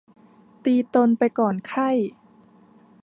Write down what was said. ตีตนไปก่อนไข้